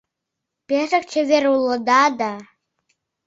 Пешак чевер улыда да